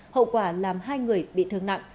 hậu quả làm hai người bị thương nặng